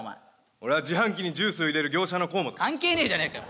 俺は自販機にジュースを入れる業者の河本だ関係ねえじゃねえかよ